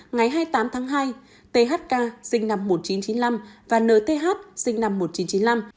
ngày hai mươi tám tháng hai thk sinh năm một nghìn chín trăm chín mươi năm và nhth sinh năm một nghìn chín trăm chín mươi năm